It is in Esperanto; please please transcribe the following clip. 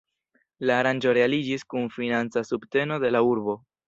La aranĝo realiĝis kun financa subteno de la urbo.